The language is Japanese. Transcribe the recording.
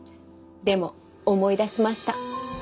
でも思い出しました。